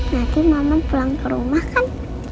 nanti mama pulang ke rumah kan